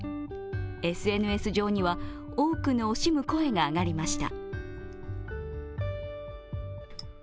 ＳＮＳ上には、多くの惜しむ声が上がりました。